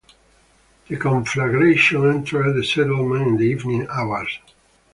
The conflagration entered the settlement in the evening hours.